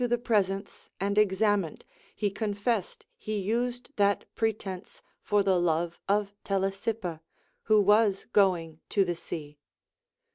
201 the presence and examined, he confessed he used that pre tence for the love of Telesippa, who was going to the sea.